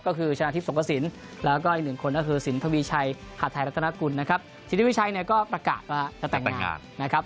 ก็คือชนะทิพย์สงกระสินแล้วก็อีกหนึ่งคนก็คือสินทวีชัยหาดไทยรัฐนากุลนะครับธิริวิชัยเนี่ยก็ประกาศว่าจะแต่งงานนะครับ